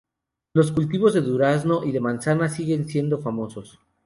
Los cultivos de durazno y de manzana siguen siendo famosos.